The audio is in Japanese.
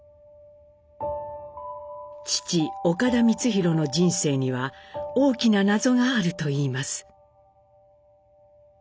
父岡田光宏の人生には大きな謎があるといいます。